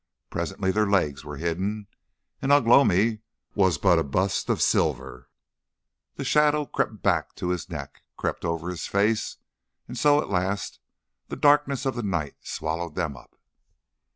Presently their legs were hidden, and Ugh lomi was but a bust of silver. The shadow crept to his neck, crept over his face, and so at last the darkness of the night swallowed them up.